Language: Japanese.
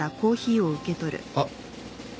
あっ。